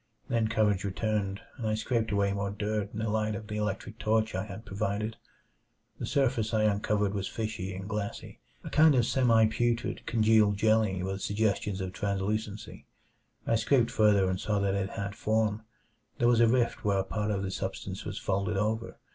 Then courage returned, and I scraped away more dirt in the light of the electric torch I had provided. The surface I uncovered was fishy and glassy a kind of semi putrid congealed jelly with suggestions of translucency. I scraped further, and saw that it had form. There was a rift where a part of the substance was folded over.